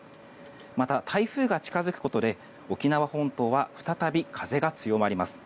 また、台風が近付くことで沖縄本島は再び風が強まります。